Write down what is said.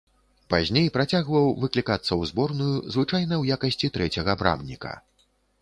Пазней працягваў выклікацца ў зборную, звычайна ў якасці трэцяга брамніка.